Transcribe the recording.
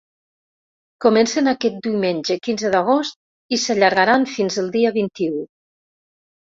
Comencen aquest diumenge, quinze d’agost, i s’allargaran fins el dia vint-i-u.